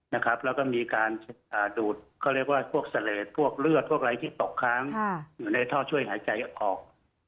แล้วก็มีการดูดเขาเรียกว่าพวกเสลดพวกเลือดพวกอะไรที่ตกค้างอยู่ในท่อช่วยหายใจออก